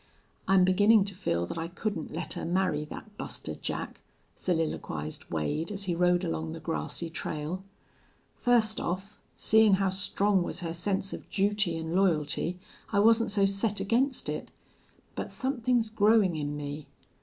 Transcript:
"I'm beginnin' to feel that I couldn't let her marry that Buster Jack," soliloquized Wade, as he rode along the grassy trail. "Fust off, seein' how strong was her sense of duty an' loyalty, I wasn't so set against it. But somethin's growin' in me.